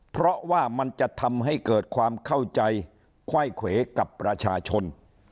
เพราะว่ามันจะทำให้เกิดความเข้าใจไขว้เขวกับประชาชน